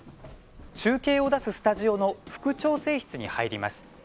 中継を出すスタジオの副調整室に入ります。